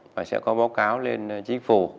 và sẽ có báo cáo lên chính phủ